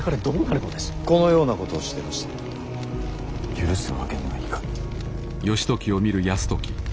このようなことをしでかして許すわけにはいかぬ。